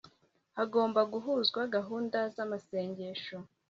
hagomba guhuzwa gahunda zamasengesho